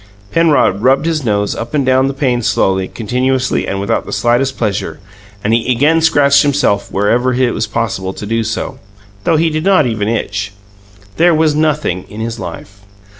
Penrod rubbed his nose up and down the pane slowly, continuously, and without the slightest pleasure; and he again scratched himself wherever it was possible to do so, though he did not even itch. There was nothing in his life.